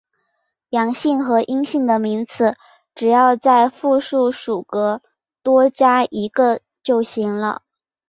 阳性和阴性的名词只要在复数属格多加一个就行了。